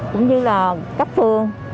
cũng như là cấp phương